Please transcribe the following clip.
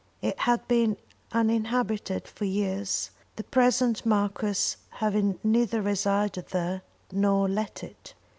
It had been uninhabited for years, the present Marquis having neither resided there nor let it.